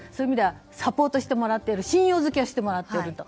サポートしてもらっている信用付けしてもらっていると。